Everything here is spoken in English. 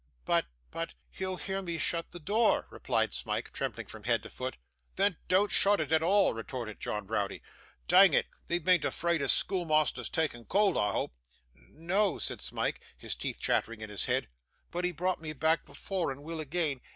'But but he'll hear me shut the door,' replied Smike, trembling from head to foot. 'Then dean't shut it at all,' retorted John Browdie. 'Dang it, thee bean't afeard o' schoolmeasther's takkin cold, I hope?' 'N no,' said Smike, his teeth chattering in his head. 'But he brought me back before, and will again.